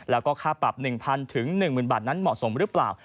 แล้วก็ค่าปรับ๑๐๐๑๐๐บาทนั้นเหมาะสมหรือเปล่า